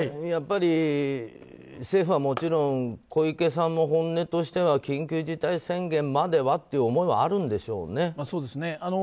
やっぱり政府はもちろん小池さんも本音としては緊急事態宣言まではという思いはあるんでしょうね。